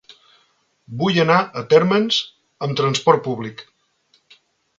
Vull anar a Térmens amb trasport públic.